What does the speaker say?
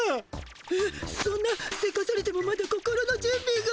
えっそんなせかされてもまだ心のじゅんびが。